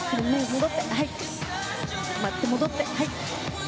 回って、戻って。